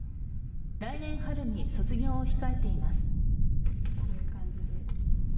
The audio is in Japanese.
来年春に卒業を控えています。